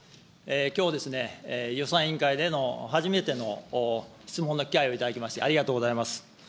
きょうですね、予算委員会での初めての質問の機会を頂きましてありがとうございます。